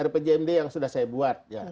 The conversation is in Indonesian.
rpjmd yang sudah saya buat